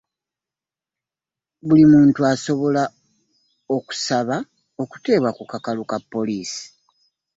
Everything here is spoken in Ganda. Buli muntu asobola okusaba okuteebwa ku kakalu ka poliisi.